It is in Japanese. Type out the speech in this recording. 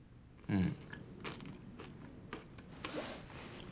うん。